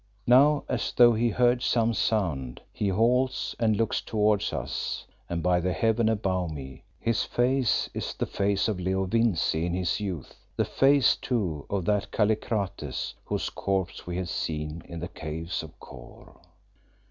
Now, as though he heard some sound, he halts and looks towards us, and by the heaven above me, his face is the face of Leo Vincey in his youth, the face too of that Kallikrates whose corpse we had seen in the Caves of Kôr!